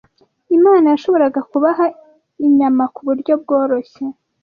Imana yashoboraga kubaha inyama ku buryo bworoshye